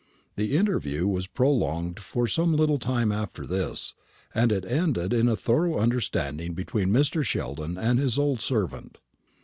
The interview was prolonged for some little time after this, and it ended in a thorough understanding between Mr. Sheldon and his old servant.